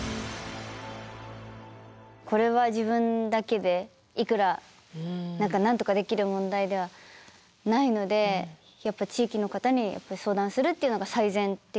これは自分だけでいくらなんとかできる問題ではないのでやっぱ地域の方に相談するっていうのが最善っていうことですよね。